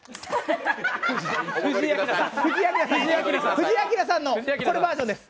藤井アキラさんのこれバージョンです。